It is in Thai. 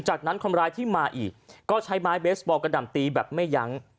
จากนั้นคนร้ายที่มาอีกก็ใช้ไม้เบสบอลกระดำตีแบบไม่ยั้ง